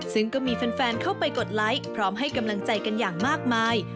ซึ่งก็มีแฟนเข้าไปกดไลค์พร้อมให้กำลังใจกันอย่างมากมาย